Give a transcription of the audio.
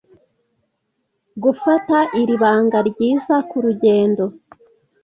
gufata iri banga ryiza kurugendo